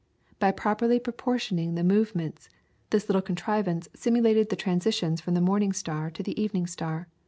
By properly proportioning the movements, this little contrivance simulated the transitions from the morning star to the evening star.